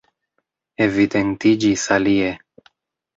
Evidentiĝis alie.